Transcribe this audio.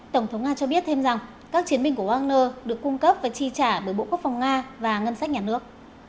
tổng thống nga cho biết thêm rằng các chiến binh của wagner được cung cấp và chi trả bởi bộ quốc phòng nga và ngân sách nhà nước